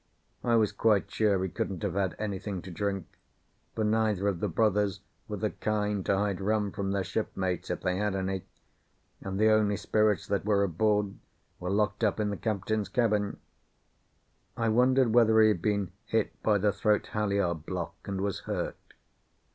I was quite sure he couldn't have had anything to drink, for neither of the brothers were the kind to hide rum from their shipmates, if they had any, and the only spirits that were aboard were locked up in the captain's cabin. I wondered whether he had been hit by the throat halliard block and was hurt.